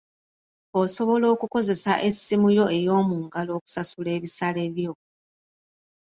Osobola okukozesa essimu yo eyoomungalo okusasula ebisale byo.